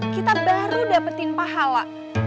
kita baru dapetin pahala